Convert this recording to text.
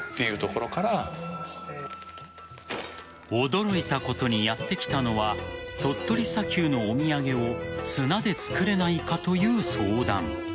驚いたことに、やって来たのは鳥取砂丘のお土産を砂で作れないかという相談。